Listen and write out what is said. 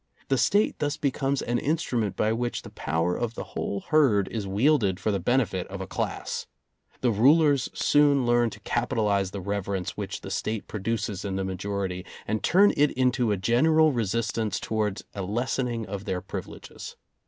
The State thus becomes an instrument by which the power of the whole herd is wielded for the benefit of a class. The rulers soon learn to capitalize the reverence which the State produces in the majority, and turn it into a general resistance towards a lessening of their privileges.